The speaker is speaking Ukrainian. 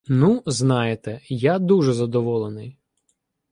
— Ну, знаєте, я дуже задоволений.